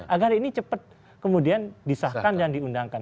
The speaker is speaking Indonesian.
agar ini cepat kemudian disahkan dan diundangkan